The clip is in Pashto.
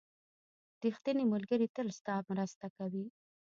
• ریښتینی ملګری تل ستا مرسته کوي.